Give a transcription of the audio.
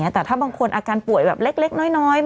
แต่ถ้าบางคนอาการป่วยแบบเล็กน้อย